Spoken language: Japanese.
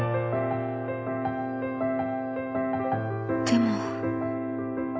「でも」。